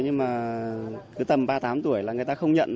nhưng mà cứ tầm ba mươi tám tuổi là người ta không nhận